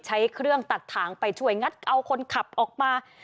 ใช้เครื่องตัดถางไปช่วยงัดเอาคนขับออกมา